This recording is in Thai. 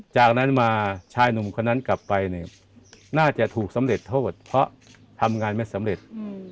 จากนั้นมาชายหนุ่มคนนั้นกลับไปเนี่ยน่าจะถูกสำเร็จโทษเพราะทำงานไม่สำเร็จ